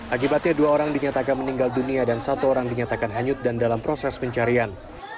akibatnya dua orang dinyatakan meninggal dunia dan satu orang dinyatakan hanyut dan dalam proses pencarian